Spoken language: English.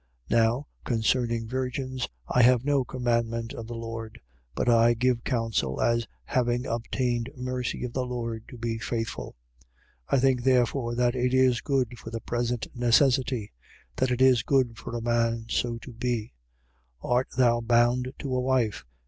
7:25. Now, concerning virgins, I have no commandment of the Lord: but I give counsel, as having obtained mercy of the Lord, to be faithful. 7:26. I think therefore that this is good for the present necessity: that it is good for a man so to be. 7:27. Art thou bound to a wife?